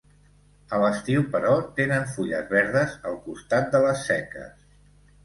A l'estiu, però, tenen fulles verdes al costat de les seques.